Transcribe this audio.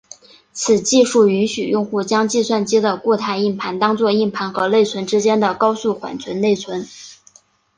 此技术允许用户将计算机的固态硬盘当做硬盘和内存之间的高速缓存内存。